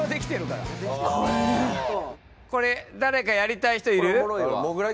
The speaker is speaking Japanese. これ誰かやりたい人いる？